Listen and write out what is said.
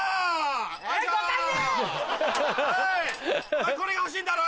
お前これが欲しいんだろ？